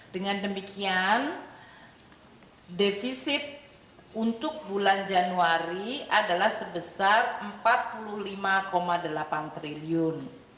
dengan demikian defisit untuk bulan januari adalah sebesar rp empat puluh lima delapan triliun